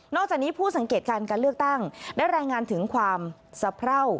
จากนี้ผู้สังเกตการการเลือกตั้งได้รายงานถึงความสะเพรา